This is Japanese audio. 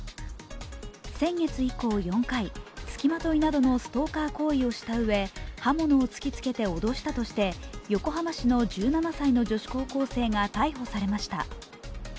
先月以降４回、つきまといなどのストーカー行為をしたうえ刃物を突きつけて脅したとして横浜市の１７歳の女子高校生が逮捕されました。